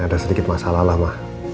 ada sedikit masalah lah pak